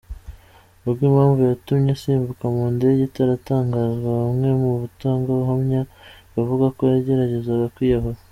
Nubwo impamvu yatumye asimbuka mu ndege itaratangazwa, bamwe mu batangabuhamya bavuga ko yageragezaga kwiyahura.